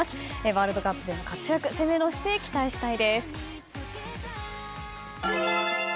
ワールドカップでの活躍攻めの姿勢に期待したいです。